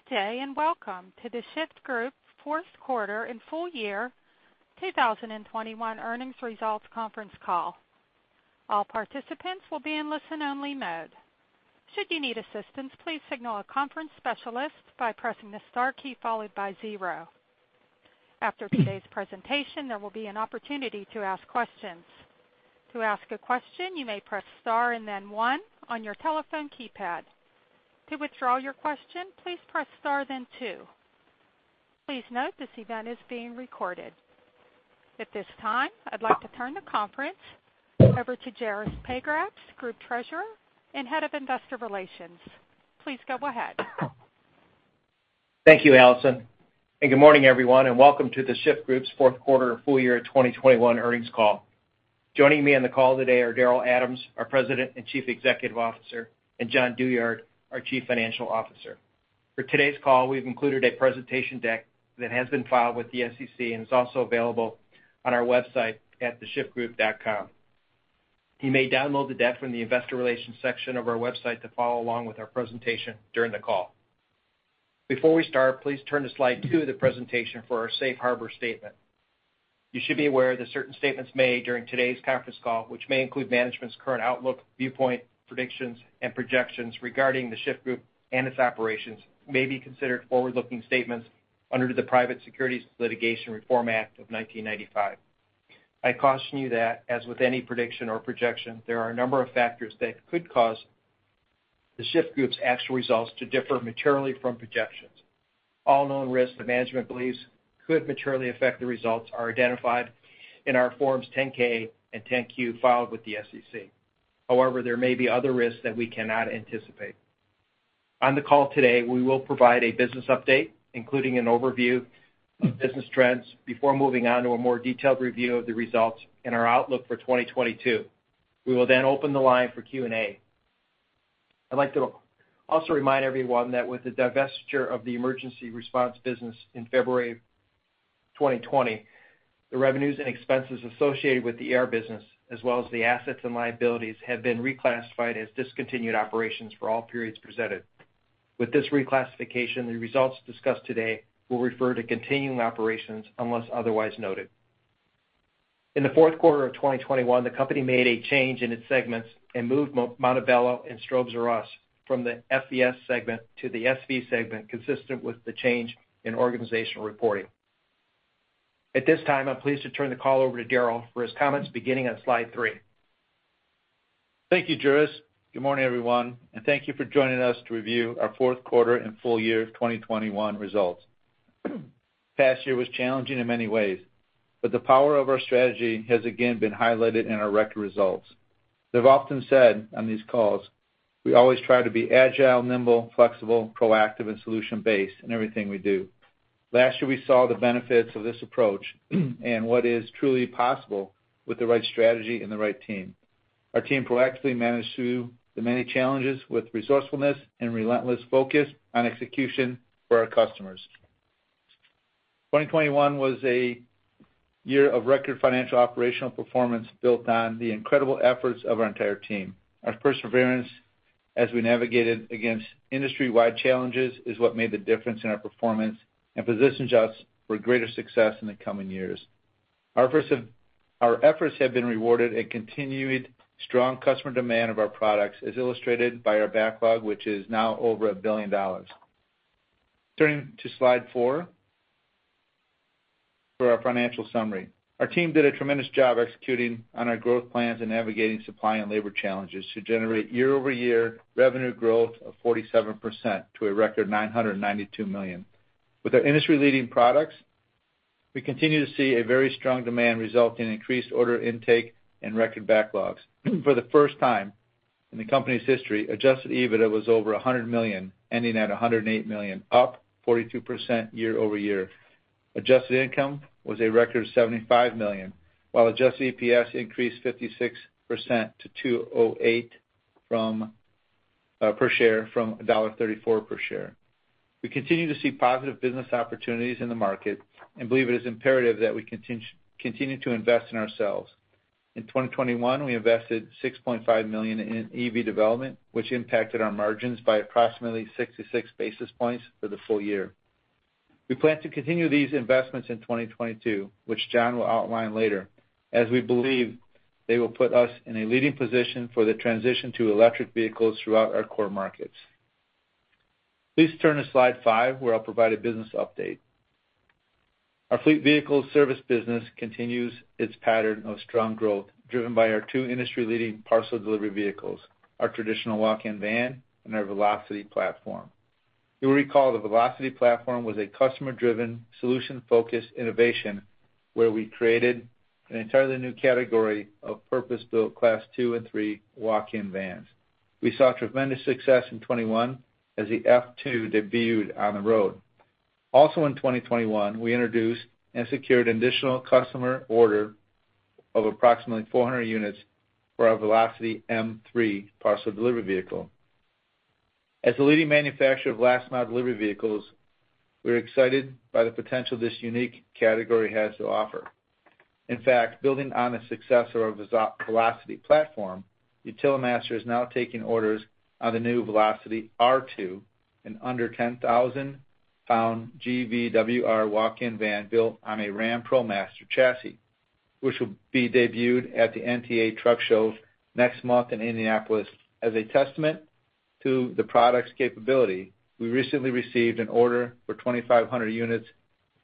Good day, and welcome to The Shyft Group Fourth Quarter and Full Year 2021 Earnings Results Conference Call. All participants will be in listen-only mode. Should you need assistance, please signal a conference specialist by pressing the star key followed by zero. After today's presentation, there will be an opportunity to ask questions. To ask a question, you may press star and then one on your telephone keypad. To withdraw your question, please press star then two. Please note this event is being recorded. At this time, I'd like to turn the conference over to Juris Pagrabs, Group Treasurer and Head of Investor Relations. Please go ahead. Thank you, Allison. Good morning, everyone, and welcome to The Shyft Group's Fourth Quarter and Full Year 2021 Earnings Call. Joining me on the call today are Daryl Adams, our President and Chief Executive Officer, and Jon Douyard, our Chief Financial Officer. For today's call, we've included a presentation deck that has been filed with the SEC and is also available on our website at theshyftgroup.com. You may download the deck from the Investor Relations section of our website to follow along with our presentation during the call. Before we start, please turn to slide two of the presentation for our safe harbor statement. You should be aware that certain statements made during today's conference call, which may include management's current outlook, viewpoint, predictions, and projections regarding The Shyft Group and its operations, may be considered forward-looking statements under the Private Securities Litigation Reform Act of 1995. I caution you that, as with any prediction or projection, there are a number of factors that could cause The Shyft Group's actual results to differ materially from projections. All known risks that management believes could materially affect the results are identified in our Forms 10-K and 10-Q filed with the SEC. However, there may be other risks that we cannot anticipate. On the call today, we will provide a business update, including an overview of business trends, before moving on to a more detailed review of the results and our outlook for 2022. We will then open the line for Q&A. I'd like to also remind everyone that with the divestiture of the emergency response business in February of 2020, the revenues and expenses associated with the ER business, as well as the assets and liabilities, have been reclassified as discontinued operations for all periods presented. With this reclassification, the results discussed today will refer to continuing operations unless otherwise noted. In the fourth quarter of 2021, the company made a change in its segments and moved Montebello and Strobes-R-Us from the FVS segment to the SV segment, consistent with the change in organizational reporting. At this time, I'm pleased to turn the call over to Daryl for his comments beginning on slide three. Thank you, Juris. Good morning, everyone, and thank you for joining us to review our fourth quarter and full year 2021 results. The past year was challenging in many ways, but the power of our strategy has again been highlighted in our record results. They've often said on these calls, we always try to be agile, nimble, flexible, proactive, and solution-based in everything we do. Last year, we saw the benefits of this approach and what is truly possible with the right strategy and the right team. Our team proactively managed through the many challenges with resourcefulness and relentless focus on execution for our customers. 2021 was a year of record financial operational performance built on the incredible efforts of our entire team. Our perseverance as we navigated against industry-wide challenges is what made the difference in our performance and positions us for greater success in the coming years. Our efforts have been rewarded in continued strong customer demand of our products, as illustrated by our backlog, which is now over $1 billion. Turning to slide four for our financial summary. Our team did a tremendous job executing on our growth plans and navigating supply and labor challenges to generate year-over-year revenue growth of 47%, to a record $992 million. With our industry-leading products, we continue to see a very strong demand resulting in increased order intake and record backlogs. For the first time in the company's history, Adjusted EBITDA was over $100 million, ending at $108 million, up 42% year over year. Adjusted income was a record $75 million, while adjusted EPS increased 56% to $2.08 per share from $1.34 per share. We continue to see positive business opportunities in the market and believe it is imperative that we continue to invest in ourselves. In 2021, we invested $6.5 million in EV development, which impacted our margins by approximately 66 basis points for the full year. We plan to continue these investments in 2022, which Jon will outline later, as we believe they will put us in a leading position for the transition to electric vehicles throughout our core markets. Please turn to slide five, where I'll provide a business update. Our fleet vehicle service business continues its pattern of strong growth, driven by our two industry-leading parcel delivery vehicles, our traditional walk-in van, and our Velocity platform. You'll recall the Velocity platform was a customer-driven, solution-focused innovation where we created an entirely new category of purpose-built Class 2 and 3 walk-in vans. We saw tremendous success in 2021 as the F2 debuted on the road. Also in 2021, we introduced and secured additional customer order of approximately 400 units for our Velocity M3 parcel delivery vehicle. As the leading manufacturer of last-mile delivery vehicles, we're excited by the potential this unique category has to offer. In fact, building on the success of our Velocity platform, Utilimaster is now taking orders on the new Velocity R2, an under 10,000-pound GVWR walk-in van built on a Ram ProMaster chassis, which will be debuted at NTEA Work Truck Week next month in Indianapolis. As a testament to the product's capability, we recently received an order for 2,500 units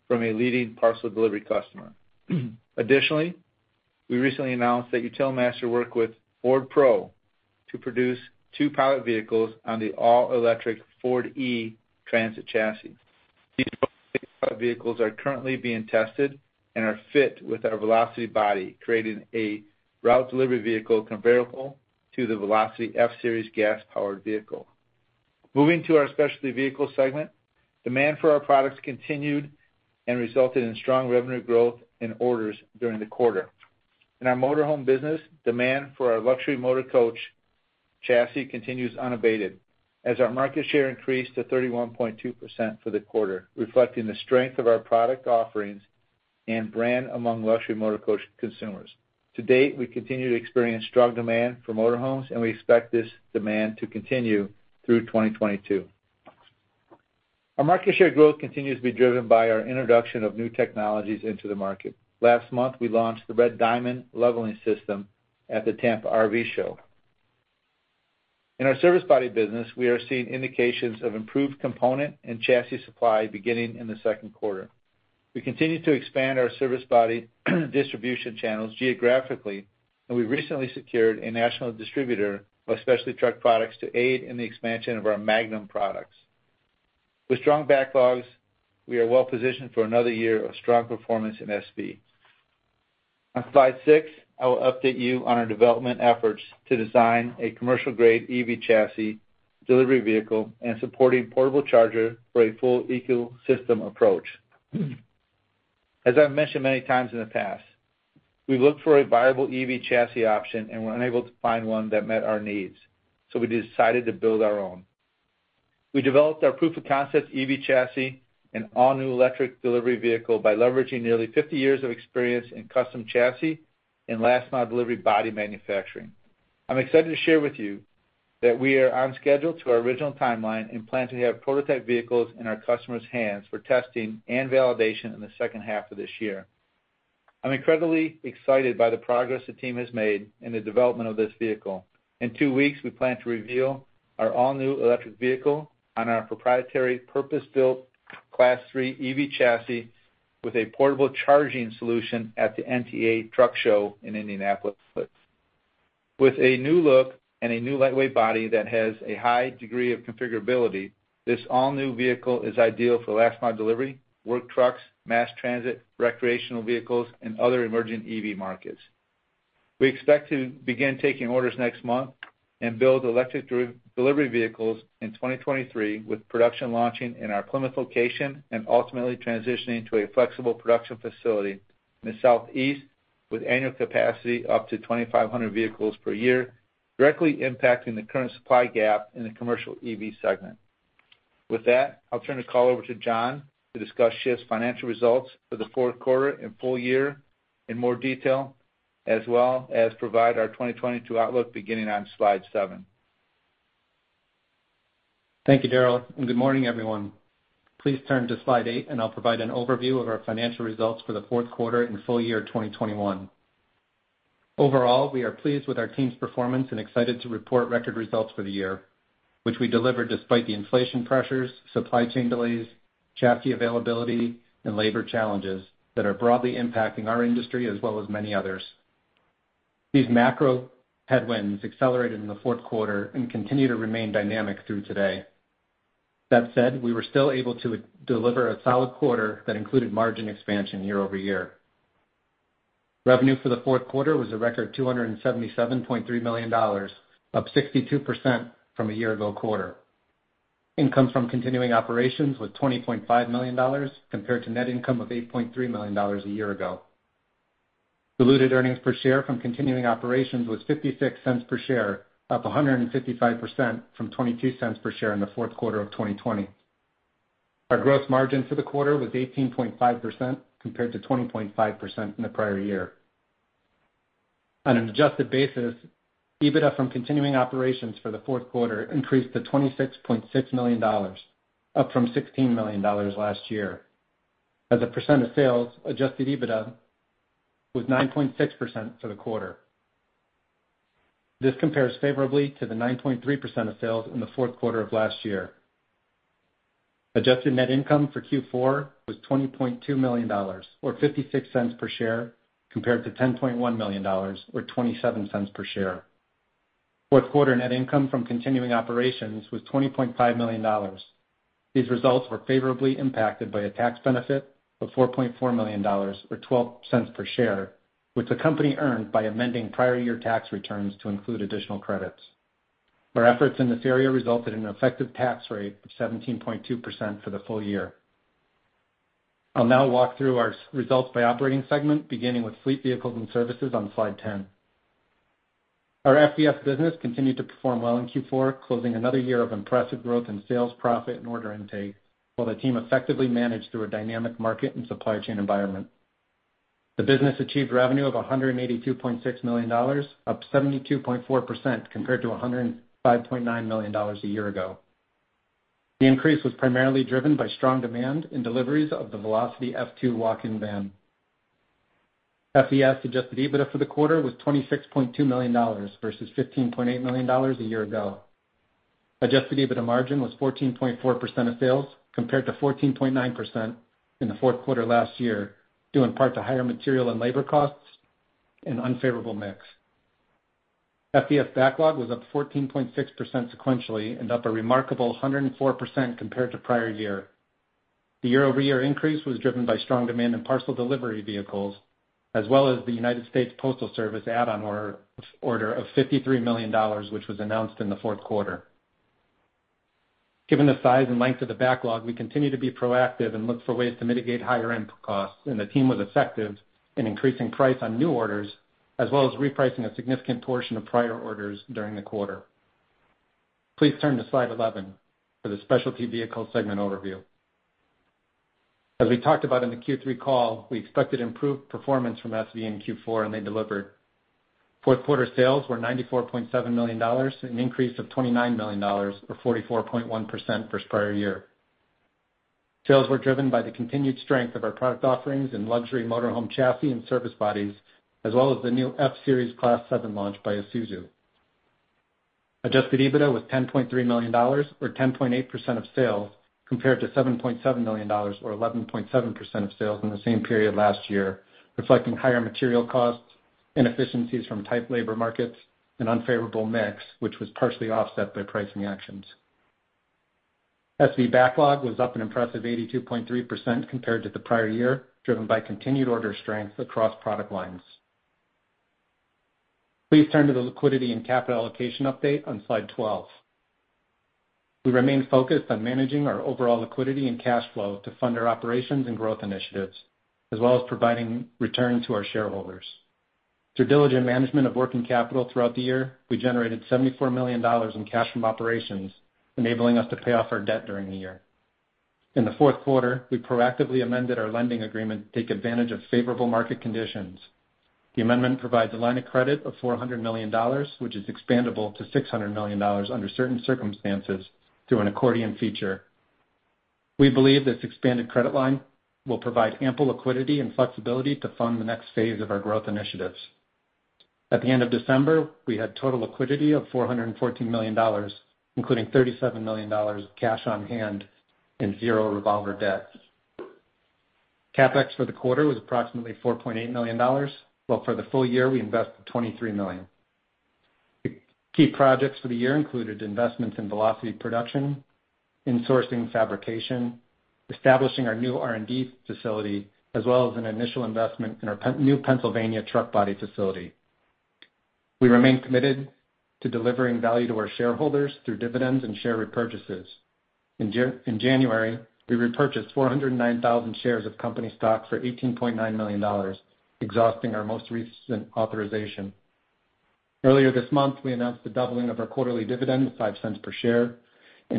from a leading parcel delivery customer. Additionally, we recently announced that Utilimaster worked with Ford Pro to produce two pilot vehicles on the all-electric Ford E-Transit chassis. These pilot vehicles are currently being tested and are fit with our Velocity body, creating a route delivery vehicle comparable to the Velocity F-Series gas-powered vehicle. Moving to our specialty vehicle segment, demand for our products continued and resulted in strong revenue growth and orders during the quarter. In our motor home business, demand for our luxury motor coach chassis continues unabated as our market share increased to 31.2% for the quarter, reflecting the strength of our product offerings and brand among luxury motor coach consumers. To date, we continue to experience strong demand for motor homes, and we expect this demand to continue through 2022. Our market share growth continues to be driven by our introduction of new technologies into the market. Last month, we launched the Red Diamond Leveling System at the Tampa RV Show. In our service body business, we are seeing indications of improved component and chassis supply beginning in the second quarter. We continue to expand our service body distribution channels geographically, and we recently secured a national distributor of specialty truck products to aid in the expansion of our Magnum products. With strong backlogs, we are well-positioned for another year of strong performance in SV. On slide six, I will update you on our development efforts to design a commercial-grade EV chassis delivery vehicle and supporting portable charger for a full ecosystem approach. As I've mentioned many times in the past, we looked for a viable EV chassis option and were unable to find one that met our needs, so we decided to build our own. We developed our proof of concept EV chassis and all-new electric delivery vehicle by leveraging nearly 50 years of experience in custom chassis and last mile delivery body manufacturing. I'm excited to share with you that we are on schedule to our original timeline and plan to have prototype vehicles in our customers' hands for testing and validation in the second half of this year. I'm incredibly excited by the progress the team has made in the development of this vehicle. In two weeks, we plan to reveal our all-new electric vehicle on our proprietary purpose-built Class 3 EV chassis with a portable charging solution at the NTEA Truck Show in Indianapolis. With a new look and a new lightweight body that has a high degree of configurability, this all-new vehicle is ideal for last mile delivery, work trucks, mass transit, recreational vehicles, and other emerging EV markets. We expect to begin taking orders next month and build electric delivery vehicles in 2023, with production launching in our Plymouth location and ultimately transitioning to a flexible production facility in the Southeast with annual capacity of up to 2,500 vehicles per year, directly impacting the current supply gap in the commercial EV segment. With that, I'll turn the call over to Jon to discuss Shyft's financial results for the fourth quarter and full year in more detail, as well as provide our 2022 outlook beginning on slide seven. Thank you, Daryl, and good morning, everyone. Please turn to slide eight, and I'll provide an overview of our financial results for the fourth quarter and full year 2021. Overall, we are pleased with our team's performance and excited to report record results for the year, which we delivered despite the inflation pressures, supply chain delays, chassis availability, and labor challenges that are broadly impacting our industry as well as many others. These macro headwinds accelerated in the fourth quarter and continue to remain dynamic through today. That said, we were still able to deliver a solid quarter that included margin expansion year-over-year. Revenue for the fourth quarter was a record $277.3 million, up 62% from a year-ago quarter. Income from continuing operations was $20.5 million compared to net income of $8.3 million a year ago. Diluted earnings per share from continuing operations was $0.56 per share, up 155% from $0.22 per share in the fourth quarter of 2020. Our gross margin for the quarter was 18.5% compared to 20.5% in the prior year. On an adjusted basis, EBITDA from continuing operations for the fourth quarter increased to $26.6 million, up from $16 million last year. As a percent of sales, Adjusted EBITDA was 9.6% for the quarter. This compares favorably to the 9.3% of sales in the fourth quarter of last year. Adjusted net income for Q4 was $20.2 million, or $0.56 per share compared to $10.1 million or $0.27 per share. Fourth quarter net income from continuing operations was $20.5 million. These results were favorably impacted by a tax benefit of $4.4 million or $0.12 per share, which the company earned by amending prior-year tax returns to include additional credits. Our efforts in this area resulted in an effective tax rate of 17.2% for the full year. I'll now walk through our results by operating segment, beginning with Fleet Vehicles and Services on slide 10. Our FVS business continued to perform well in Q4, closing another year of impressive growth in sales, profit, and order intake, while the team effectively managed through a dynamic market and supply chain environment. The business achieved revenue of $182.6 million, up 72.4% compared to $105.9 million a year ago. The increase was primarily driven by strong demand in deliveries of the Velocity F2 walk-in van. FVS Adjusted EBITDA for the quarter was $26.2 million versus $15.8 million a year ago. Adjusted EBITDA margin was 14.4% of sales, compared to 14.9% in the fourth quarter last year, due in part to higher material and labor costs and unfavorable mix. FVS backlog was up 14.6% sequentially and up a remarkable 104% compared to prior year. The year-over-year increase was driven by strong demand in parcel delivery vehicles as well as the United States Postal Service add-on order of $53 million, which was announced in the fourth quarter. Given the size and length of the backlog, we continue to be proactive and look for ways to mitigate higher input costs, and the team was effective in increasing price on new orders as well as repricing a significant portion of prior orders during the quarter. Please turn to slide 11 for the Specialty Vehicles segment overview. As we talked about in the Q3 call, we expected improved performance from SV in Q4, and they delivered. Fourth quarter sales were $94.7 million, an increase of $29 million or 44.1% versus prior year. Sales were driven by the continued strength of our product offerings in luxury motor home chassis and service bodies, as well as the new F-Series Class 7 launch by Isuzu. Adjusted EBITDA was $10.3 million or 10.8% of sales, compared to $7.7 million or 11.7% of sales in the same period last year, reflecting higher material costs, inefficiencies from tight labor markets, and unfavorable mix, which was partially offset by pricing actions. SV backlog was up an impressive 82.3% compared to the prior year, driven by continued order strength across product lines. Please turn to the liquidity and capital allocation update on slide 12. We remain focused on managing our overall liquidity and cash flow to fund our operations and growth initiatives, as well as providing return to our shareholders. Through diligent management of working capital throughout the year, we generated $74 million in cash from operations, enabling us to pay off our debt during the year. In the fourth quarter, we proactively amended our lending agreement to take advantage of favorable market conditions. The amendment provides a line of credit of $400 million, which is expandable to $600 million under certain circumstances through an accordion feature. We believe this expanded credit line will provide ample liquidity and flexibility to fund the next phase of our growth initiatives. At the end of December, we had total liquidity of $414 million, including $37 million cash on hand and zero revolver debt. CapEx for the quarter was approximately $4.8 million, while for the full year we invested $23 million. The key projects for the year included investments in Velocity production, insourcing fabrication, establishing our new R&D facility, as well as an initial investment in our brand-new Pennsylvania truck body facility. We remain committed to delivering value to our shareholders through dividends and share repurchases. In January, we repurchased 409,000 shares of company stock for $18.9 million, exhausting our most recent authorization. Earlier this month, we announced the doubling of our quarterly dividend to $0.05 per share.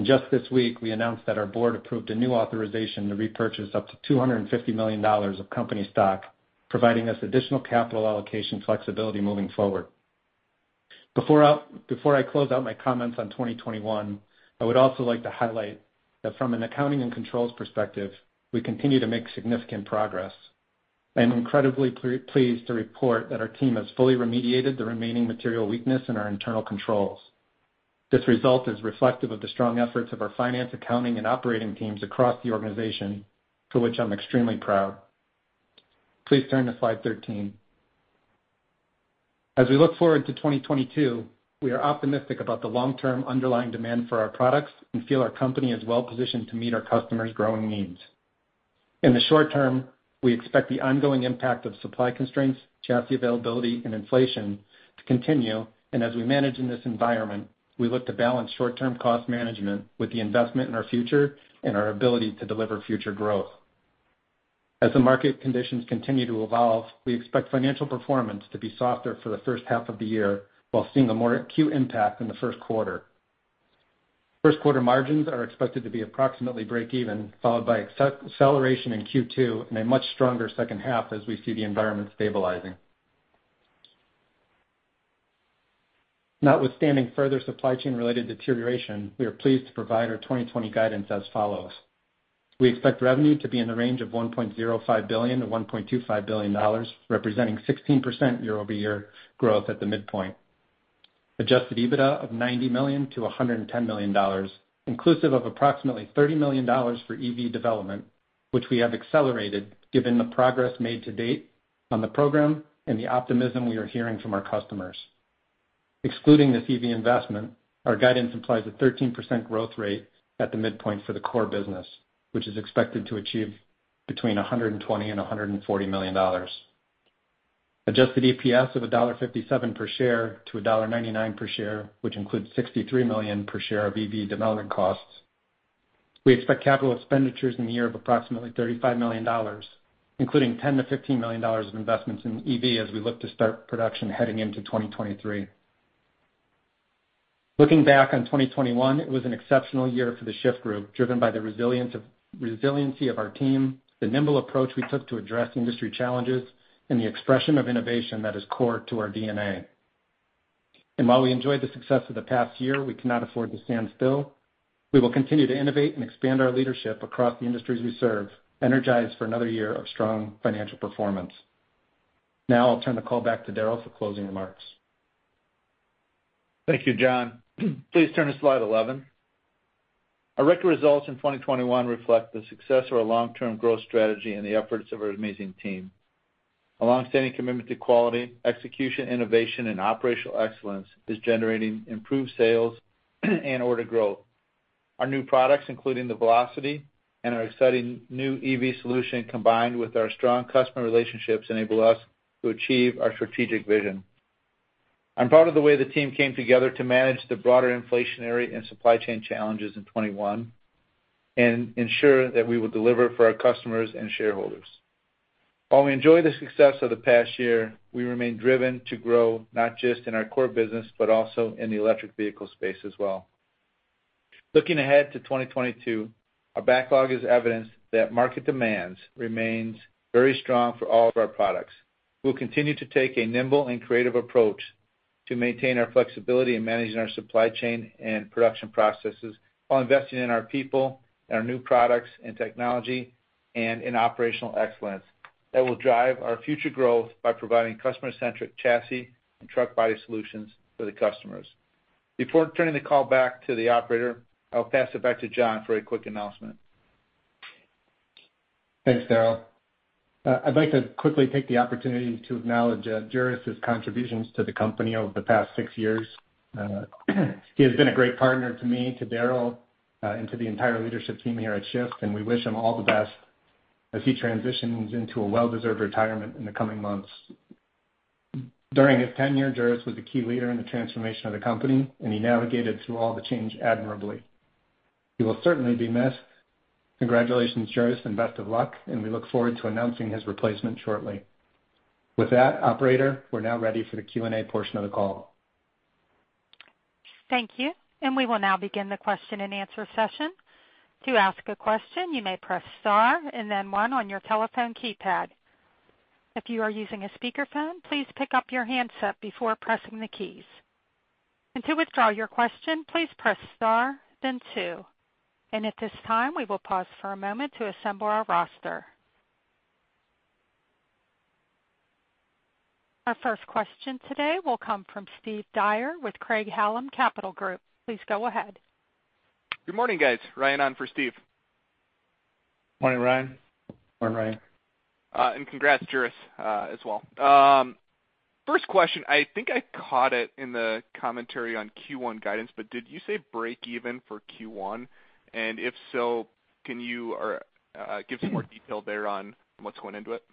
Just this week we announced that our board approved a new authorization to repurchase up to $250 million of company stock, providing us additional capital allocation flexibility moving forward. Before I close out my comments on 2021, I would also like to highlight that from an accounting and controls perspective, we continue to make significant progress. I am incredibly pleased to report that our team has fully remediated the remaining material weakness in our internal controls. This result is reflective of the strong efforts of our finance, accounting, and operating teams across the organization, for which I'm extremely proud. Please turn to slide 13. As we look forward to 2022, we are optimistic about the long-term underlying demand for our products and feel our company is well-positioned to meet our customers' growing needs. In the short term, we expect the ongoing impact of supply constraints, chassis availability, and inflation to continue. As we manage in this environment, we look to balance short-term cost management with the investment in our future and our ability to deliver future growth. As the market conditions continue to evolve, we expect financial performance to be softer for the first half of the year while seeing a more acute impact in the first quarter. First quarter margins are expected to be approximately break even, followed by acceleration in Q2 and a much stronger second half as we see the environment stabilizing. Notwithstanding further supply chain-related deterioration, we are pleased to provide our 2020 guidance as follows. We expect revenue to be in the range of $1.05 billion-$1.25 billion, representing 16% year-over-year growth at the midpoint. Adjusted EBITDA of $90 million-$110 million, inclusive of approximately $30 million for EV development, which we have accelerated given the progress made to date on the program and the optimism we are hearing from our customers. Excluding this EV investment, our guidance implies a 13% growth rate at the midpoint for the core business, which is expected to achieve between $120 million and $140 million. Adjusted EPS of $1.57 per share to $1.99 per share, which includes $63 million of EV development costs. We expect capital expenditures in the year of approximately $35 million, including $10 million-$15 million of investments in EV as we look to start production heading into 2023. Looking back on 2021, it was an exceptional year for the Shyft Group, driven by the resiliency of our team, the nimble approach we took to address industry challenges, and the expression of innovation that is core to our DNA. While we enjoyed the success of the past year, we cannot afford to stand still. We will continue to innovate and expand our leadership across the industries we serve, energized for another year of strong financial performance. Now I'll turn the call back to Daryl for closing remarks. Thank you, Jon. Please turn to slide 11. Our record results in 2021 reflect the success of our long-term growth strategy and the efforts of our amazing team. A longstanding commitment to quality, execution, innovation, and operational excellence is generating improved sales and order growth. Our new products, including the Velocity and our exciting new EV solution, combined with our strong customer relationships, enable us to achieve our strategic vision. I'm proud of the way the team came together to manage the broader inflationary and supply chain challenges in 2021 and ensure that we will deliver for our customers and shareholders. While we enjoy the success of the past year, we remain driven to grow, not just in our core business, but also in the electric vehicle space as well. Looking ahead to 2022, our backlog is evidence that market demands remains very strong for all of our products. We'll continue to take a nimble and creative approach to maintain our flexibility in managing our supply chain and production processes while investing in our people and our new products and technology and in operational excellence that will drive our future growth by providing customer-centric chassis and truck body solutions for the customers. Before turning the call back to the operator, I'll pass it back to Jon for a quick announcement. Thanks, Daryl. I'd like to quickly take the opportunity to acknowledge Juris' contributions to the company over the past six years. He has been a great partner to me, to Daryl, and to the entire leadership team here at Shyft, and we wish him all the best as he transitions into a well-deserved retirement in the coming months. During his tenure, Juris was a key leader in the transformation of the company, and he navigated through all the change admirably. He will certainly be missed. Congratulations, Juris, and best of luck, and we look forward to announcing his replacement shortly. With that, operator, we're now ready for the Q&A portion of the call. Thank you. We will now begin the question-and-answer session. To ask a question, you may press star and then one on your telephone keypad. If you are using a speakerphone, please pick up your handset before pressing the keys. To withdraw your question, please press star, then two. At this time, we will pause for a moment to assemble our roster. Our first question today will come from Steve Dyer with Craig-Hallum Capital Group. Please go ahead. Good morning, guys. Ryan on for Steve. Morning, Ryan. Morning, Ryan. Congrats, Juris, as well. First question, I think I caught it in the commentary on Q1 guidance, but did you say break even for Q1? If so, can you give some more detail there on what's going into it?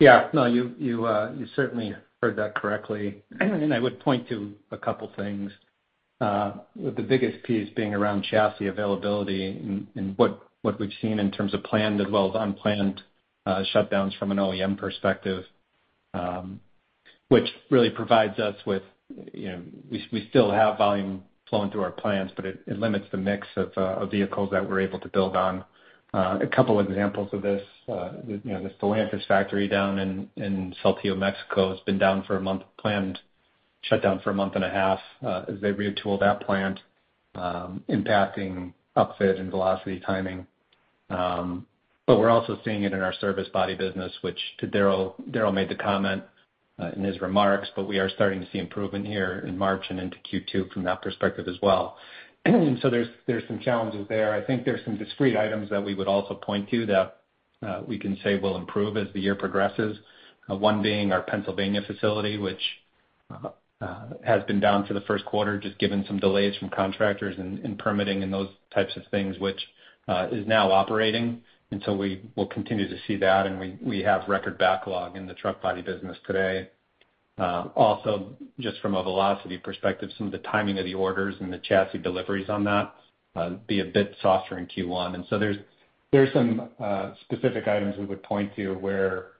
Yeah. No. You certainly heard that correctly. I would point to a couple of things, with the biggest piece being around chassis availability and what we've seen in terms of planned as well as unplanned shutdowns from an OEM perspective, which really provides us with, you know, we still have volume flowing through our plants, but it limits the mix of vehicles that we're able to build on. A couple of examples of this, you know, the Stellantis factory down in Saltillo, Mexico, has been down for a month, planned shutdown for a month and a half, as they retool that plant, impacting upfit and Velocity timing. We're also seeing it in our service body business, which to Daryl made the comment in his remarks, but we are starting to see improvement here in March and into Q2 from that perspective as well. There's some challenges there. I think there's some discrete items that we would also point to that we can say will improve as the year progresses. One being our Pennsylvania facility, which has been down for the first quarter just given some delays from contractors and permitting and those types of things, which is now operating. We will continue to see that, and we have record backlog in the truck body business today. Also just from a Velocity perspective, some of the timing of the orders and the chassis deliveries on that will be a bit softer in Q1. There's some specific items we would point to where,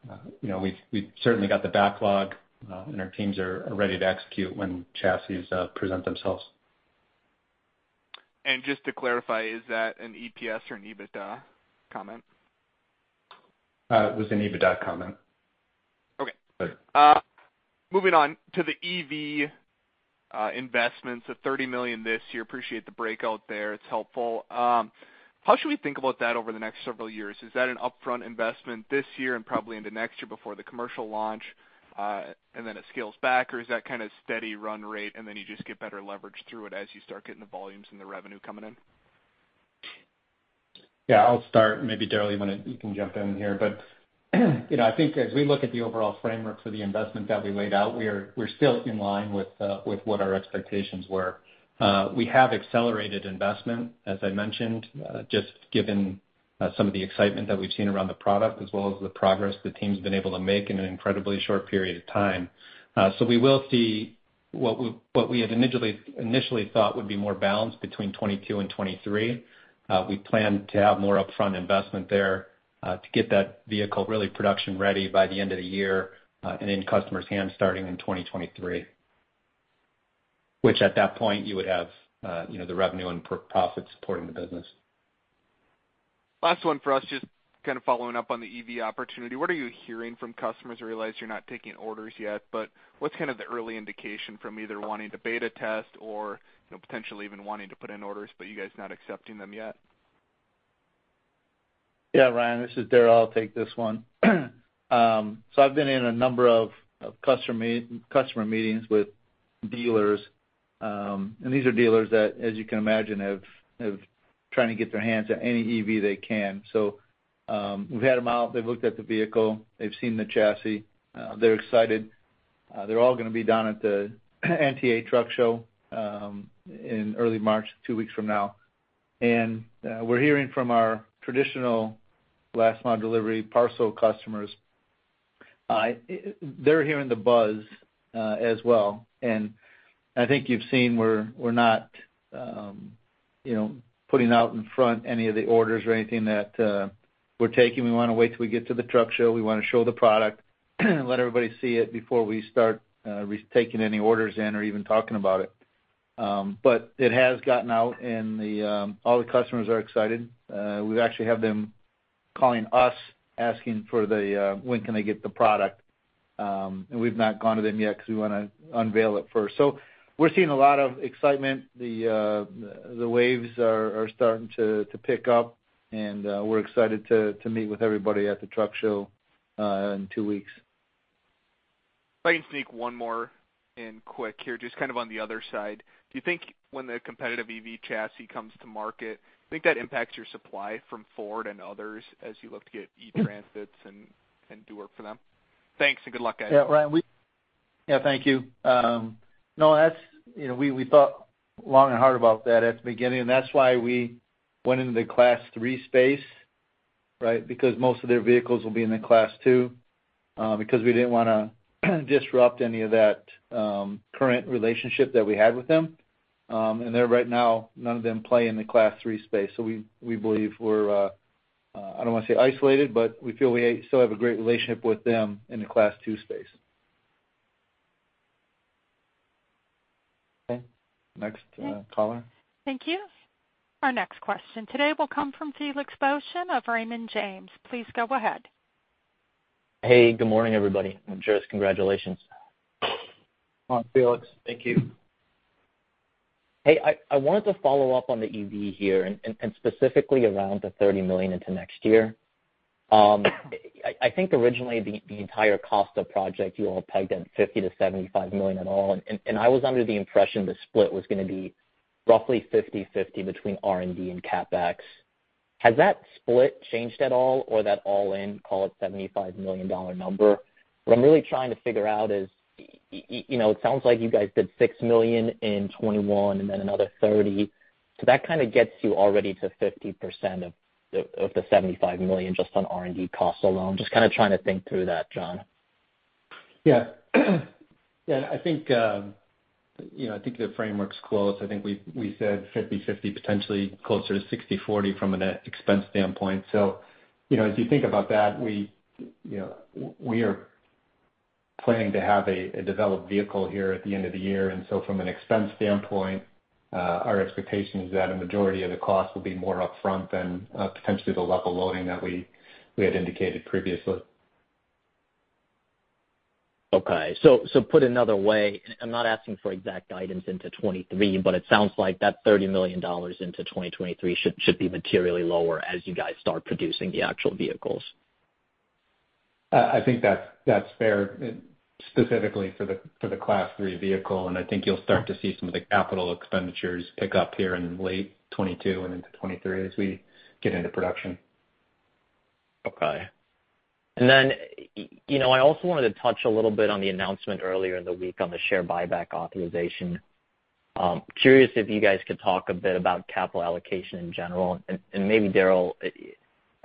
you know, we've certainly got the backlog, and our teams are ready to execute when chassis present themselves. Just to clarify, is that an EPS or an EBITDA comment? It was an EBITDA comment. Okay. Moving on to the EV investments of $30 million this year. Appreciate the breakout there. It's helpful. How should we think about that over the next several years? Is that an upfront investment this year and probably into next year before the commercial launch, and then it scales back? Or is that kind of steady run rate, and then you just get better leverage through it as you start getting the volumes and the revenue coming in? Yeah. I'll start, and maybe Daryl, you can jump in here. You know, I think as we look at the overall framework for the investment that we laid out, we're still in line with what our expectations were. We have accelerated investment, as I mentioned, just given some of the excitement that we've seen around the product as well as the progress the team's been able to make in an incredibly short period of time. We will see what we had initially thought would be more balanced between 2022 and 2023. We plan to have more upfront investment there to get that vehicle really production ready by the end of the year, and in customers' hands starting in 2023. Which at that point you would have, you know, the revenue and profit supporting the business. Last one for us, just kind of following up on the EV opportunity. What are you hearing from customers who realize you're not taking orders yet? What's kind of the early indication from either wanting to beta test or, you know, potentially even wanting to put in orders but you guys not accepting them yet? Yeah, Ryan, this is Daryl. I'll take this one. I've been in a number of customer meetings with dealers, and these are dealers that, as you can imagine, have been trying to get their hands on any EV they can. We've had them out, they've looked at the vehicle, they've seen the chassis, they're excited. They're all gonna be down at the NTEA truck show in early March, two weeks from now. We're hearing from our traditional last mile delivery parcel customers. They're hearing the buzz as well. I think you've seen we're not, you know, putting out in front any of the orders or anything that we're taking. We wanna wait till we get to the truck show. We wanna show the product, let everybody see it before we start retaking any orders in or even talking about it. It has gotten out, and all the customers are excited. We actually have them calling us, asking when they can get the product. We've not gone to them yet because we wanna unveil it first. We're seeing a lot of excitement. The waves are starting to pick up, and we're excited to meet with everybody at the truck show in two weeks. If I can sneak one more in quick here, just kind of on the other side. Do you think when the competitive EV chassis comes to market, do you think that impacts your supply from Ford and others as you look to get E-Transits and do work for them? Thanks, and good luck, guys. Yeah, Ryan, yeah, thank you. No, that's, you know, we thought long and hard about that at the beginning, and that's why we went into the Class 3 space, right? Because most of their vehicles will be in the Class 2, because we didn't wanna disrupt any of that current relationship that we had with them. And they're right now, none of them play in the Class 3 space. So we believe we're, I don't wanna say isolated, but we feel we still have a great relationship with them in the Class 2 space. Okay, next, caller. Thank you. Our next question today will come from Felix Boeschen of Raymond James. Please go ahead. Hey, good morning, everybody. Congratulations. On Felix. Thank you. Hey, I wanted to follow up on the EV here and specifically around the $30 million into next year. I think originally the entire cost of project you all pegged at $50 million-$75 million all. I was under the impression the split was gonna be roughly 50/50 between R&D and CapEx. Has that split changed at all or that all-in, call it $75 million, number? What I'm really trying to figure out is, you know, it sounds like you guys did $6 million in 2021 and then another $30 million. That kinda gets you already to 50% of the $75 million just on R&D costs alone. Just kinda trying to think through that, Jon. Yeah. Yeah, I think, you know, I think the framework's close. I think we said 50/50, potentially closer to 60/40 from an expense standpoint. You know, as you think about that, we are planning to have a developed vehicle here at the end of the year. From an expense standpoint, our expectation is that a majority of the cost will be more upfront than potentially the level loading that we had indicated previously. Put another way, I'm not asking for exact guidance into 2023, but it sounds like that $30 million into 2023 should be materially lower as you guys start producing the actual vehicles. I think that's fair, specifically for the Class 3 vehicle, and I think you'll start to see some of the capital expenditures pick up here in late 2022 and into 2023 as we get into production. Okay. You know, I also wanted to touch a little bit on the announcement earlier in the week on the share buyback authorization. Curious if you guys could talk a bit about capital allocation in general, and maybe Daryl,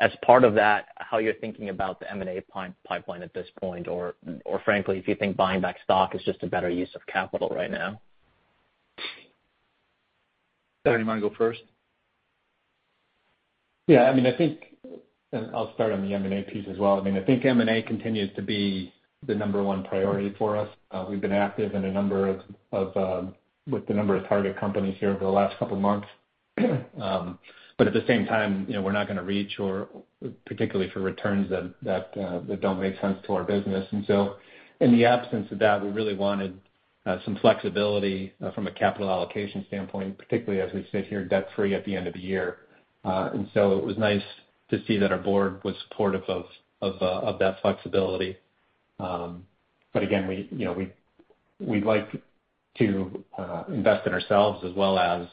as part of that, how you're thinking about the M&A pipeline at this point, or frankly, if you think buying back stock is just a better use of capital right now. Daryl, you wanna go first? Yeah, I mean, I think I'll start on the M&A piece as well. I mean, I think M&A continues to be the number one priority for us. We've been active with a number of target companies here over the last couple of months. But at the same time, you know, we're not gonna reach or particularly for returns that don't make sense to our business. In the absence of that, we really wanted some flexibility from a capital allocation standpoint, particularly as we sit here debt-free at the end of the year. It was nice to see that our board was supportive of that flexibility. Again, we, you know, we'd like to invest in ourselves as well as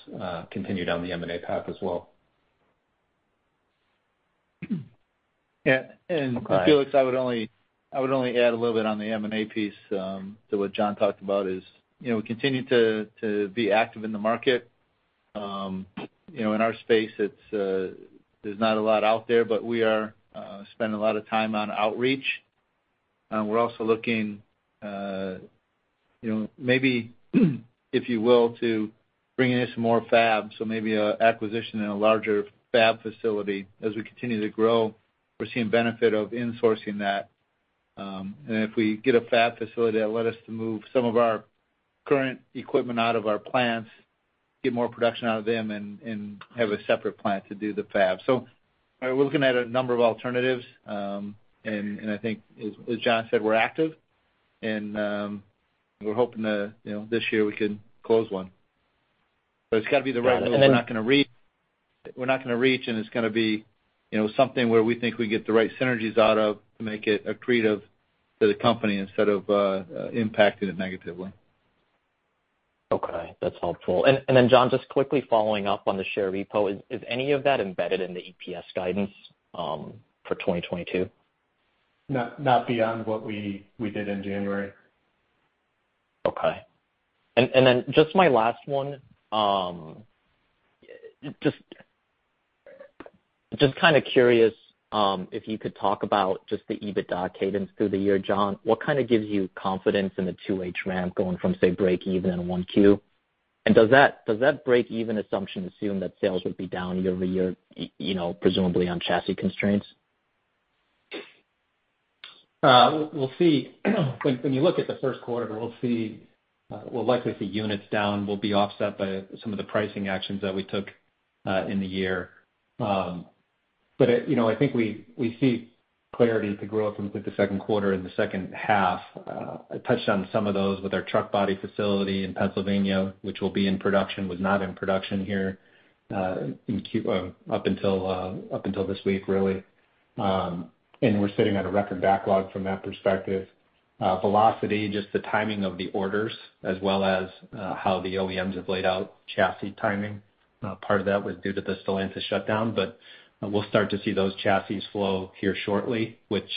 continue down the M&A path as well. Yeah, Felix, I would only add a little bit on the M&A piece to what Jon talked about. You know, we continue to be active in the market. You know, in our space it's, there's not a lot out there, but we are spending a lot of time on outreach. We're also looking, you know, maybe, if you will, to bring in some more fab, so maybe a acquisition in a larger fab facility. As we continue to grow, we're seeing benefit of insourcing that. If we get a fab facility, that'll let us to move some of our current equipment out of our plants, get more production out of them, and have a separate plant to do the fab. We're looking at a number of alternatives, and I think as Jon said, we're active, and we're hoping to, you know, this year we can close one. It's gotta be the right one. We're not gonna reach, and it's gonna be, you know, something where we think we can get the right synergies out of to make it accretive to the company instead of impacting it negatively. Okay, that's helpful. Then Jon, just quickly following up on the share repo, is any of that embedded in the EPS guidance for 2022? Not beyond what we did in January. Okay. Just my last one. Just kind of curious, if you could talk about just the EBITDA cadence through the year. Jon, what kind of gives you confidence in the 2H ramp going from, say, break even in 1Q? Does that break even assumption assume that sales would be down year-over-year, you know, presumably on chassis constraints? We'll see. When you look at the first quarter, we'll likely see units down. We'll be offset by some of the pricing actions that we took in the year. You know, I think we see clarity to grow it from through the second quarter and the second half. I touched on some of those with our truck body facility in Pennsylvania, which will be in production, was not in production here in Q up until this week, really. We're sitting on a record backlog from that perspective. Velocity, just the timing of the orders as well as how the OEMs have laid out chassis timing. Part of that was due to the Stellantis shutdown, but we'll start to see those chassis flow here shortly, which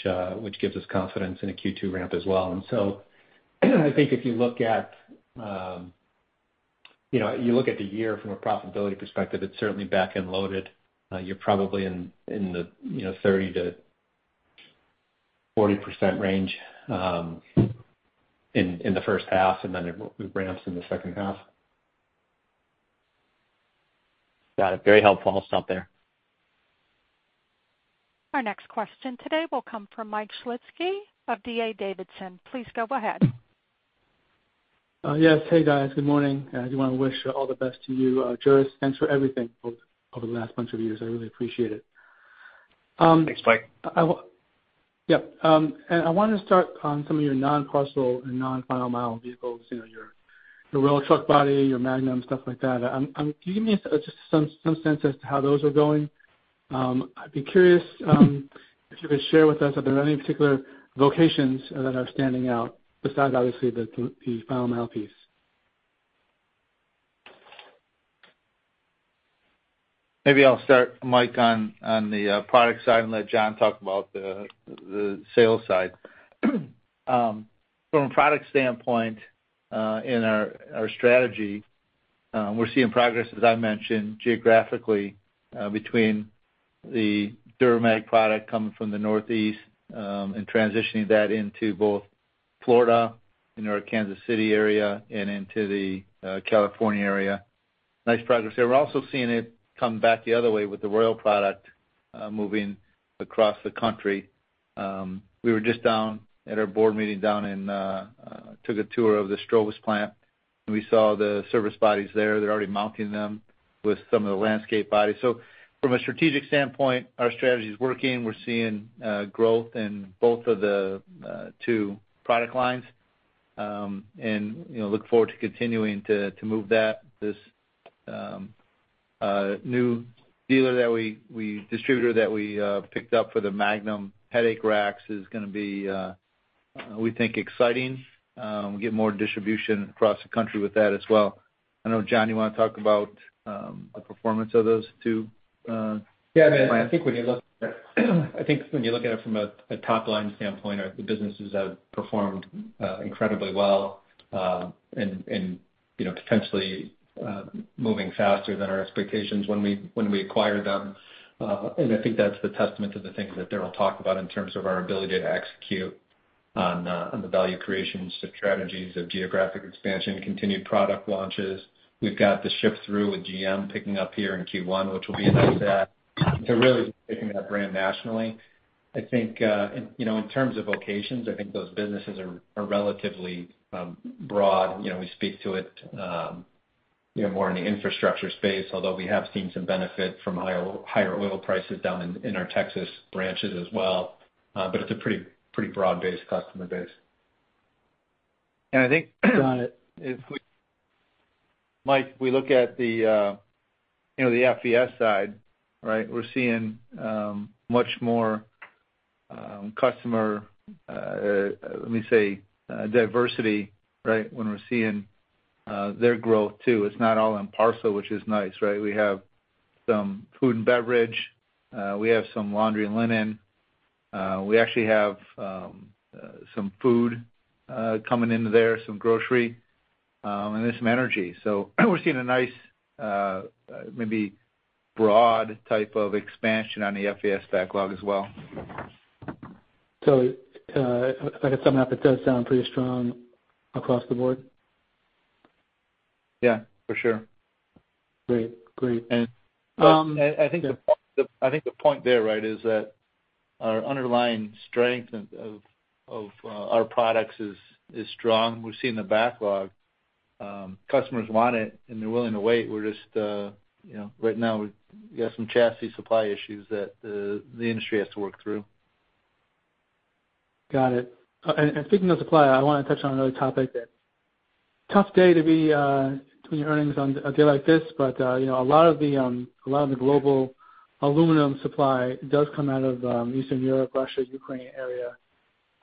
gives us confidence in a Q2 ramp as well. I think if you look at, you know, the year from a profitability perspective, it's certainly back-end loaded. You're probably in the, you know, 30%-40% range in the first half, and then it ramps in the second half. Got it. Very helpful. I'll stop there. Our next question today will come from Mike Shlisky of D.A. Davidson. Please go ahead. Yes. Hey, guys. Good morning. I do wanna wish all the best to you, Juris. Thanks for everything over the last bunch of years. I really appreciate it. Thanks, Mike. Yeah. I wanna start on some of your non-parcel and non-final mile vehicles, you know, your Royal Truck Body, your Magnum, stuff like that. Can you give me just some sense as to how those are going? I'd be curious if you could share with us, are there any particular locations that are standing out besides, obviously, the final mile piece? Maybe I'll start, Mike, on the product side and let Jon talk about the sales side. From a product standpoint, in our strategy, we're seeing progress, as I mentioned geographically, between the DuraMag product coming from the Northeast, and transitioning that into both Florida and our Kansas City area and into the California area. Nice progress there. We're also seeing it come back the other way with the Royal product, moving across the country. We were just down at our board meeting and took a tour of the Strobes-R-Us plant, and we saw the service bodies there. They're already mounting them with some of the landscape bodies. From a strategic standpoint, our strategy is working. We're seeing growth in both of the two product lines. You know, look forward to continuing to move that. This new distributor that we picked up for the Magnum Headache Racks is gonna be, we think, exciting. We get more distribution across the country with that as well. I know, Jon, you wanna talk about the performance of those two clients? Yeah, I mean, I think when you look at it from a top-line standpoint, the businesses have performed incredibly well, and, you know, potentially moving faster than our expectations when we acquired them. I think that's the testament to the things that Daryl talked about in terms of our ability to execute on the value creation strategies of geographic expansion, continued product launches. We've got the shift through with GM picking up here in Q1, which will be a nice add to really taking that brand nationally. I think, you know, in terms of locations, I think those businesses are relatively broad. You know, we speak to it, you know, more in the infrastructure space, although we have seen some benefit from higher oil prices down in our Texas branches as well. It's a pretty broad-based customer base. I think, Mike, if we look at the, you know, the FVS side, right? We're seeing much more customer, let me say, diversity, right? Their growth, too, is not all in parcel, which is nice, right? We have some food and beverage, we have some laundry, and linen. We actually have some food coming into there, some grocery, and then some energy. We're seeing a nice, maybe broad type of expansion on the FVS backlog as well. If I could sum it up, it does sound pretty strong across the board. Yeah, for sure. Great. I think the point there, right, is that our underlying strength of our products is strong. We've seen the backlog. Customers want it, and they're willing to wait. We're just, you know, right now we've got some chassis supply issues that the industry has to work through. Got it. Speaking of supply, I wanna touch on another topic. Tough day to be doing earnings on a day like this, but ,you know, a lot of the global aluminum supply does come out of Eastern Europe, Russia, Ukraine area.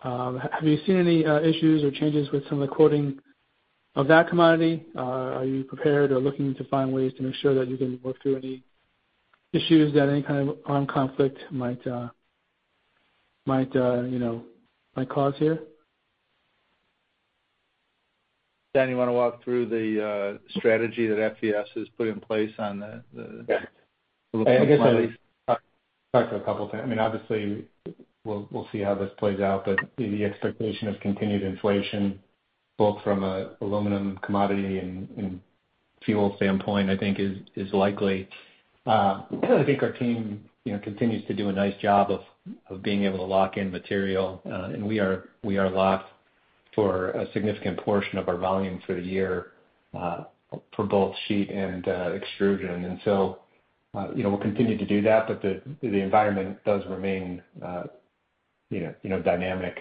Have you seen any issues or changes with some of the quoting of that commodity? Are you prepared or looking to find ways to ensure that you can work through any issues that any kind of armed conflict might, you know, might cause here? Daryl, you wanna walk through the strategy that FVS has put in place on the Yeah. I guess at least talk to a couple things. I mean, obviously we'll see how this plays out, but the expectation of continued inflation, both from an aluminum commodity and fuel standpoint, I think is likely. I think our team, you know, continues to do a nice job of being able to lock in material. We are locked for a significant portion of our volume for the year, for both sheet and extrusion. You know, we'll continue to do that, but the environment does remain dynamic,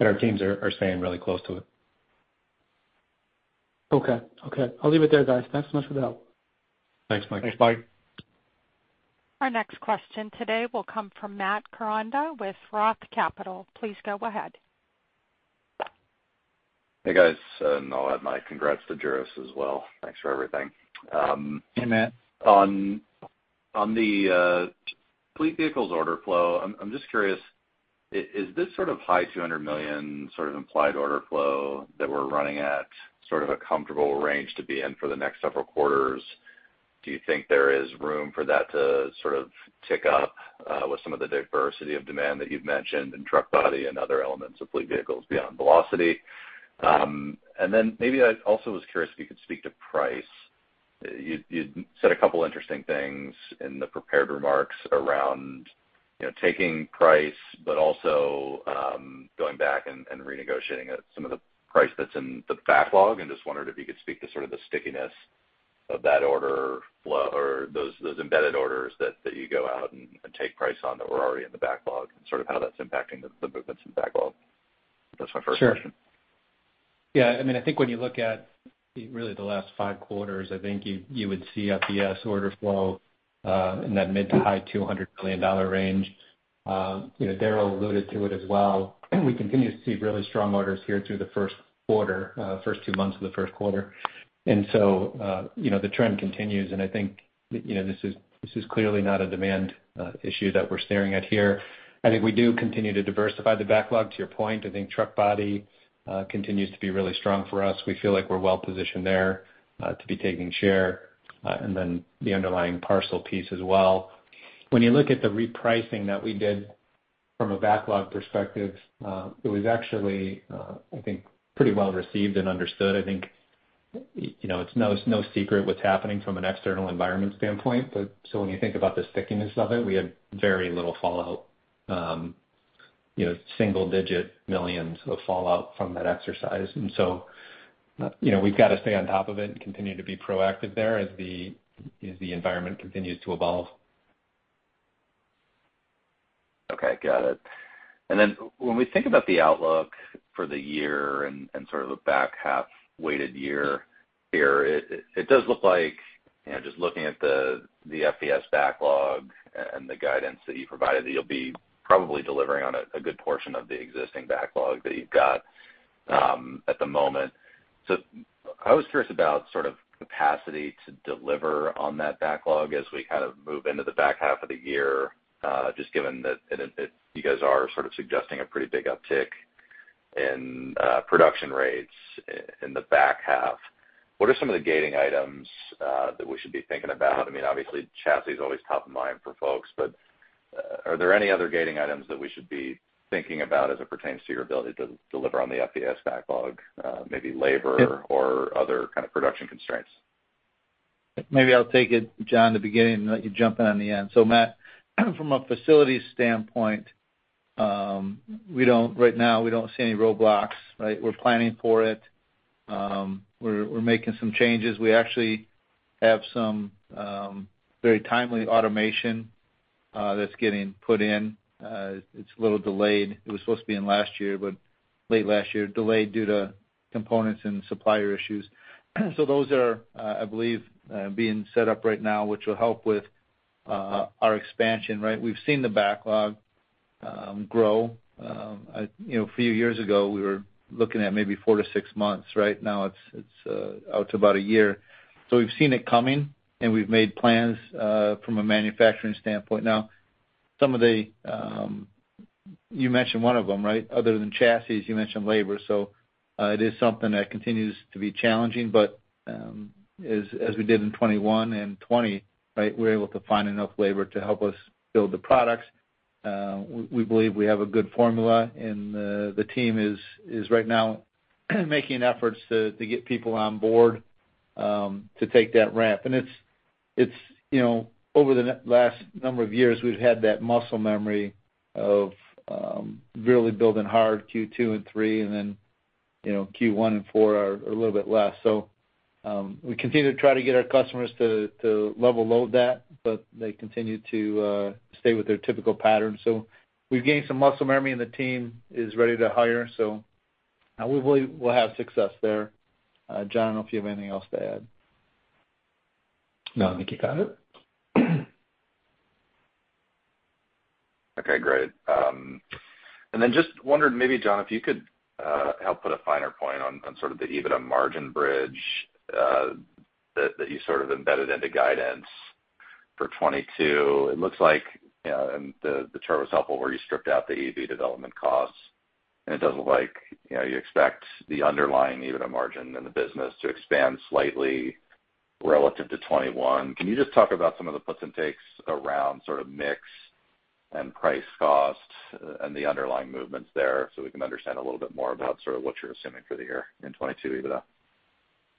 and our teams are staying really close to it. Okay. I'll leave it there, guys. Thanks so much for the help. Thanks, Mike. Thanks, Mike. Our next question today will come from Matt Koranda with Roth Capital. Please go ahead. Hey, guys, and I'll add my congrats to Juris as well. Thanks for everything. Hey, Matt. On the fleet vehicles order flow, I'm just curious, is this sort of high $200 million sort of implied order flow that we're running at sort of a comfortable range to be in for the next several quarters? Do you think there is room for that to sort of tick up with some of the diversity of demand that you've mentioned in truck body and other elements of fleet vehicles beyond Velocity? And then maybe I also was curious if you could speak to price. You said a couple of interesting things in the prepared remarks around, you know, taking price, but also going back and renegotiating some of the price that's in the backlog. Just wondered if you could speak to sort of the stickiness of that order flow or those embedded orders that you go out and take price on that were already in the backlog and sort of how that's impacting the movements in backlog. That's my first question. Sure. Yeah. I mean, I think when you look at really the last five quarters, I think you would see FVS order flow in that mid- to high-$200 million range. You know, Daryl alluded to it as well. We continue to see really strong orders here through the first quarter, first two months of the first quarter. You know, the trend continues, and I think, you know, this is clearly not a demand issue that we're staring at here. I think we do continue to diversify the backlog, to your point. I think truck body continues to be really strong for us. We feel like we're well positioned there to be taking share, and then the underlying parcel piece as well. When you look at the repricing that we did from a backlog perspective, it was actually, I think, pretty well received and understood. I think, you know, it's no secret what's happening from an external environment standpoint, but so when you think about the stickiness of it, we had very little fallout, you know, $1 million-$9 million of fallout from that exercise. You know, we've got to stay on top of it and continue to be proactive there as the environment continues to evolve. Okay. Got it. Then when we think about the outlook for the year and sort of a back-half-weighted year here, it does look like, you know, just looking at the FVS backlog and the guidance that you provided, that you'll be probably delivering on a good portion of the existing backlog that you've got at the moment. I was curious about sort of capacity to deliver on that backlog as we kind of move into the back half of the year, just given that you guys are sort of suggesting a pretty big uptick in production rates in the back half. What are some of the gating items that we should be thinking about? I mean, obviously chassis is always top of mind for folks, but, are there any other gating items that we should be thinking about as it pertains to your ability to deliver on the FVS backlog, maybe labor or other kind of production constraints? Maybe I'll take it, Jon, in the beginning and let you jump in on the end. Matt, from a facilities standpoint, we don't see any roadblocks right now, right? We're planning for it. We're making some changes. We actually have some very timely automation that's getting put in. It's a little delayed. It was supposed to be in last year, but late last year, delayed due to components and supplier issues. Those are, I believe, being set up right now, which will help with our expansion, right? We've seen the backlog grow. You know, a few years ago, we were looking at maybe four to six months, right? Now it's out to about a year. We've seen it coming, and we've made plans from a manufacturing standpoint. Now, some of the... You mentioned one of them, right? Other than chassis, you mentioned labor. It is something that continues to be challenging. As we did in 2021 and 2020, right, we were able to find enough labor to help us build the products. We believe we have a good formula, and the team is right now making efforts to get people on board to take that ramp. It's, you know, over the last number of years, we've had that muscle memory of really building hard Q2 and Q3, and then, you know, Q1 and Q4 are a little bit less. We continue to try to get our customers to level load that, but they continue to stay with their typical pattern. We've gained some muscle memory, and the team is ready to hire. We believe we'll have success there. Jon, I don't know if you have anything else to add. No, I think you got it. Okay, great. Then just wondered, maybe, Jon, if you could help put a finer point on sort of the EBITDA margin bridge that you sort of embedded into guidance for 2022. It looks like, you know, the chart was helpful where you stripped out the EV development costs. It does look like, you know, you expect the underlying EBITDA margin in the business to expand slightly relative to 2021. Can you just talk about some of the puts and takes around sort of mix and price cost and the underlying movements there so we can understand a little bit more about sort of what you're assuming for the year in 2022 EBITDA?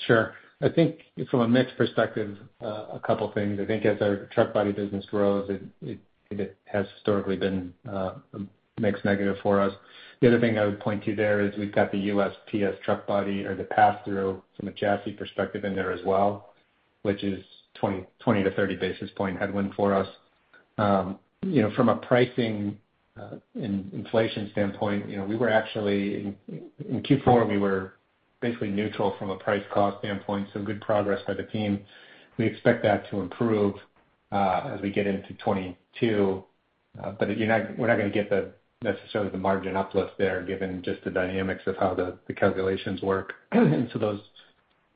Sure. I think, from a mix perspective, a couple of things. I think as our truck body business grows, it has historically been a mixed negative for us. The other thing I would point to there is we've got the USPS truck body, or the pass-through from a chassis perspective, in there as well, which is 20-30 basis point headwind for us. You know, from a pricing and inflation standpoint, you know, we were actually in Q4; we were basically neutral from a price cost standpoint, so good progress by the team. We expect that to improve as we get into 2022. We're not gonna get necessarily the margin uplift there given just the dynamics of how the calculations work. Those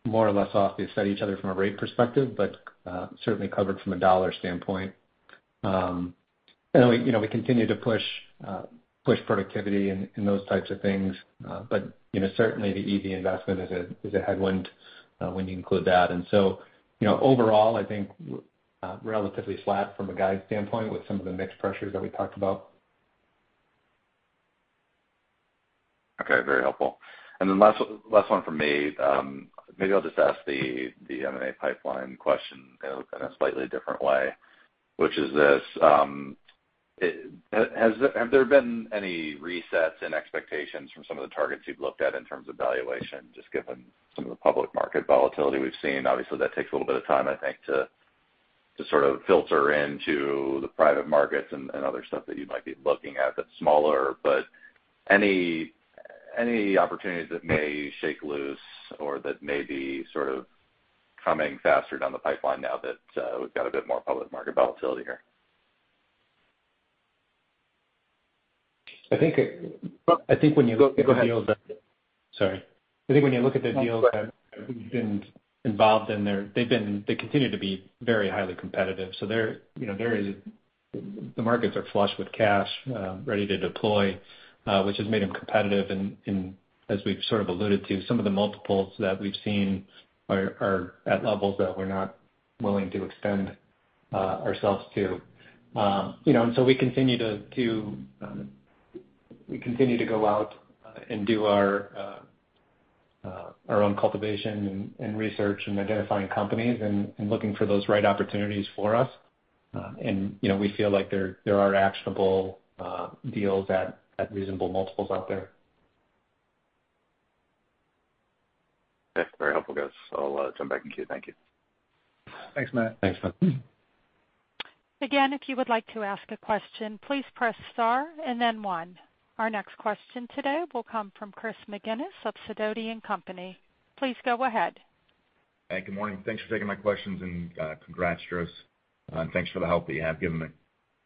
more or less offset each other from a rate perspective but are certainly covered from a dollar standpoint. We, you know, we continue to push productivity and those types of things. You know, certainly the EV investment is a headwind when you include that. You know, overall, I think relatively flat from a guide standpoint with some of the mix pressures that we talked about. Okay, very helpful. Last one from me. Maybe I'll just ask the M&A pipeline question, you know, in a slightly different way, which is this: Have there been any resets in expectations from some of the targets you've looked at in terms of valuation, just given some of the public market volatility we've seen? Obviously that takes a little bit of time, I think, to sort of filter into the private markets and other stuff that you might be looking at that's smaller. Any opportunities that may shake loose or that may be sort of coming faster down the pipeline now that we've got a bit more public market volatility here? I think when you Go ahead. Sorry. I think when you look at the deals that we've been involved in, they continue to be very highly competitive. They're, you know, the markets are flush with cash, ready to deploy, which has made them competitive. As we've sort of alluded to, some of the multiples that we've seen are at levels that we're not willing to extend ourselves to. You know, we continue to go out and do our own cultivation and research, identifying companies and looking for those right opportunities for us. We feel like there are actionable deals at reasonable multiples out there. Okay. Very helpful, guys. I'll jump back in queue. Thank you. Thanks, Matt. Thanks, Matt. Again, if you would like to ask a question, please press star and then one. Our next question today will come from Chris McGinnis of Sidoti & Company. Please go ahead. Hey, good morning. Thanks for taking my questions, and congrats to us, and thanks for the help that you have given me.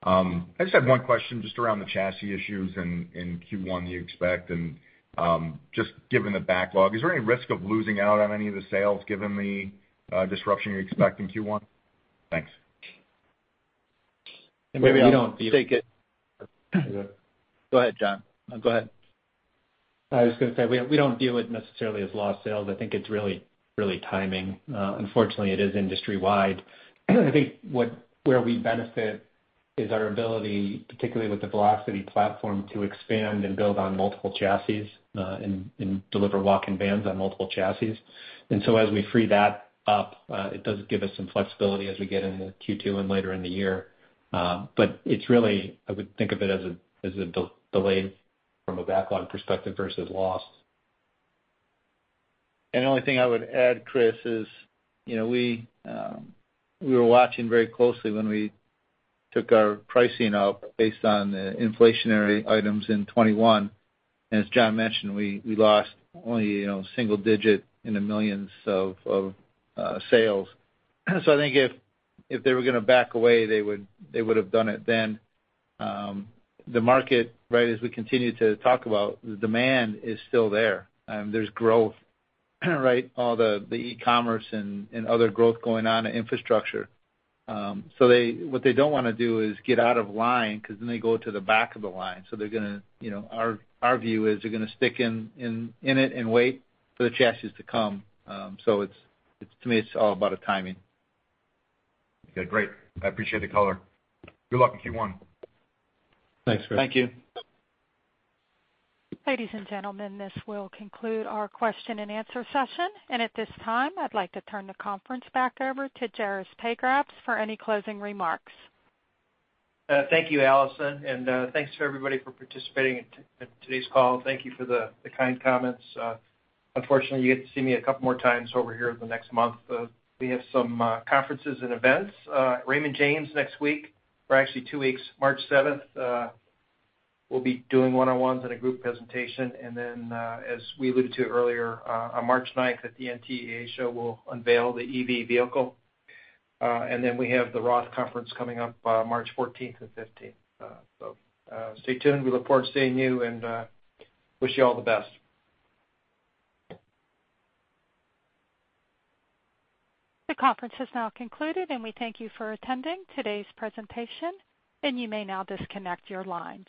I just had one question just around the chassis issues in Q1 you expect, and, just given the backlog, is there any risk of losing out on any of the sales given the disruption you expect in Q1? Thanks. Maybe I'll take it. Go ahead, Jon. No, go ahead. I was gonna say, we don't view it necessarily as lost sales. I think it's really timing. Unfortunately, it is industry-wide. I think where we benefit is our ability, particularly with the Velocity platform, to expand and build on multiple chassis, and deliver walk-in vans on multiple chassis. As we free that up, it does give us some flexibility as we get into Q2 and later in the year. But it's really, I would think of it as a delayed from a backlog perspective versus lost. The only thing I would add, Chris, is you know, we were watching very closely when we took our pricing up based on the inflationary items in 2021. As Jon mentioned, we lost only single-digit million in sales. I think if they were gonna back away, they would have done it then. The market, right, as we continue to talk about, the demand is still there. There's growth, right? All the e-commerce and other growth going on and infrastructure. What they don't wanna do is get out of line because then they go to the back of the line. They're gonna, you know, our view is they're gonna stick in it and wait for the chassis to come. To me, it's all about timing. Okay, great. I appreciate the color. Good luck in Q1. Thanks, Chris. Thank you. Ladies and gentlemen, this will conclude our question-and-answer session. At this time, I'd like to turn the conference back over to Juris Pagrabs for any closing remarks. Thank you, Allison. Thanks for everybody for participating in today's call. Thank you for the kind comments. Unfortunately, you get to see me a couple more times over here in the next month. We have some conferences and events. Raymond James next week, or actually two weeks, March 7th. We'll be doing one-on-ones and a group presentation. As we alluded to earlier, on March 9th at the NTEA show, we'll unveil the EV vehicle. We have the Roth conference coming up, March 14th and 15th. Stay tuned. We look forward to seeing you and wish you all the best. The conference has now concluded, and we thank you for attending today's presentation, and you may now disconnect your lines.